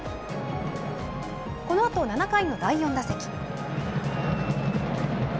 このあと７回の第４打席。